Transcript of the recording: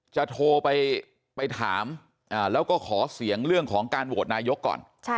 จะโทรไปถามแล้วก็ขอเสียงเรื่องของการโหวตนายกก่อน